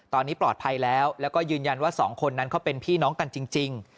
ตอนนี้ปลอดภัยแล้วแล้วก็ยืนยันว่าสองคนนั้นเขาเป็นพี่น้องกันจริง